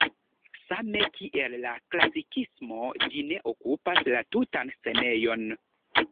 Same kiel la klasikismo ĝi ne okupas la tutan scenejon.